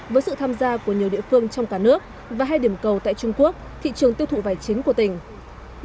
với sự tham gia của nhiều địa phương trong cả nước và hai điểm cầu tại trung quốc thị trường tiêu thụ vải chính của tỉnh